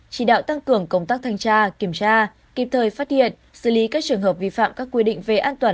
chỉ đạo tăng cường công tác thanh tra kiểm tra kịp thời phát hiện xử lý các trường hợp vi phạm các quy định về an toàn